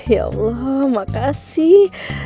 ya allah makasih